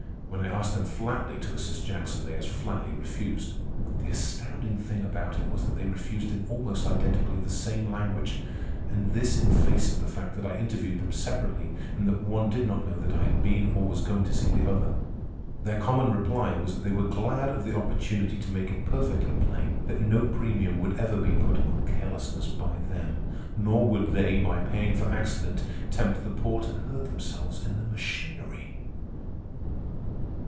When I asked them flatly to assist Jackson, they as flatly refused. The astounding thing about it was that they refused in almost identically the same language, and this in face of the fact that I interviewed them separately and that one did not know that I had seen or was going to see the other. Their common reply was that they were glad of the opportunity to make it perfectly plain that no premium would ever be put on carelessness by them; nor would they, by paying for accident, tempt the poor to hurt themselves in the machinery.